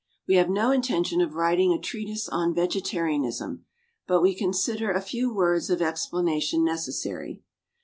We have no intention of writing a treatise on vegetarianism, but we consider a few words of explanation necessary.